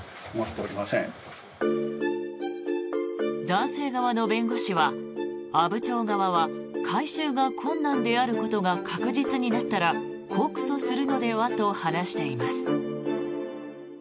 男性側の弁護士は阿武町側は回収が困難であることが確実になったら告訴するのではと話しています。